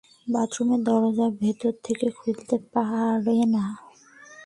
বাথরুমের দরজা ভেতর থেকে খুলতে পারে না।